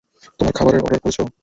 তোমার খাবারের অর্ডার করেছ?